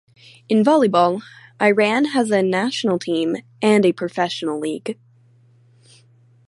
In volleyball, Iran has a national team, and a professional league.